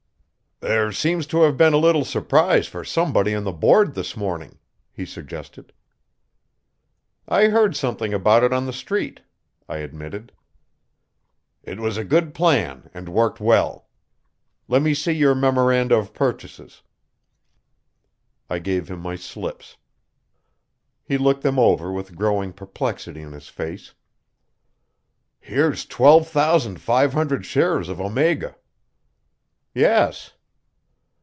"There seems to have been a little surprise for somebody on the Board this morning," he suggested. "I heard something about it on the street," I admitted. "It was a good plan and worked well. Let me see your memoranda of purchases." I gave him my slips. He looked over them with growing perplexity in his face. "Here's twelve thousand five hundred shares of Omega." "Yes."